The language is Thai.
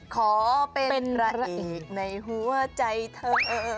ขอเป็นพระเอกในหัวใจเธอ